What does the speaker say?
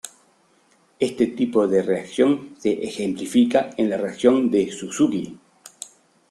Este tipo de reacción se ejemplifica en la reacción de Suzuki.